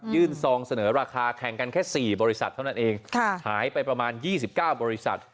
ซองเสนอราคาแข่งกันแค่๔บริษัทเท่านั้นเองหายไปประมาณ๒๙บริษัท